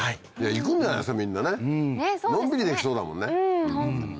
行くんじゃないですかみんなねのんびりできそうだもんね。